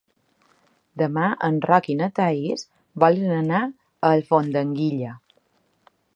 Demà en Roc i na Thaís volen anar a Alfondeguilla.